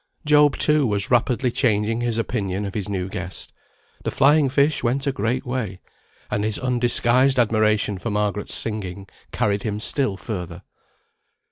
Job, too, was rapidly changing his opinion of his new guest. The flying fish went a great way, and his undisguised admiration for Margaret's singing carried him still further.